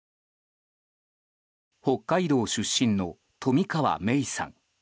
北海道出身の冨川芽生さん。